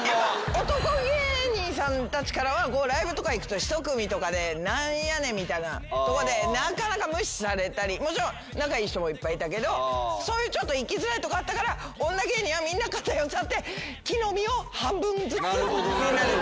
男芸人さんたちからはライブとか行くと１組とかでなんやねんみたいななかなか無視されたりもちろん仲いい人もいっぱいいたけどそういうちょっと行きづらいとこあったから女芸人はみんな肩寄せ合って木の実を半分ずつみんなで食べてた。